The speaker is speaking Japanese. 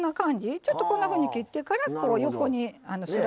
ちょっとこんなふうに切ってから横にスライドさせると。